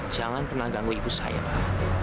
jangan pernah ganggu ibu saya pak